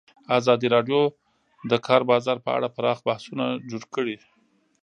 ازادي راډیو د د کار بازار په اړه پراخ بحثونه جوړ کړي.